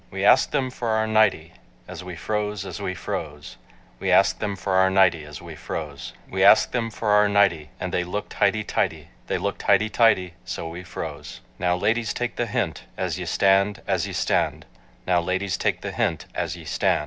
We asked them for our nightie, As we froze, as we froze, We asked them for our nightie As we froze. We asked them for our nightie, And they looked—hightie tightie— They looked hightie tightie—so we froze. Now, ladies, take the hint, As ye stand, as ye stand, Now, ladies, take the hint, As ye stand.